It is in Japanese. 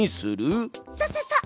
そうそうそう！